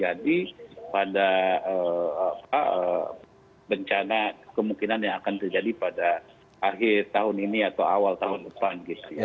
jadi pada bencana kemungkinan yang akan terjadi pada akhir tahun ini atau awal tahun depan